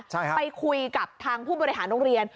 ใช่ค่ะไปคุยกับทางผู้บริหารโรงเรียน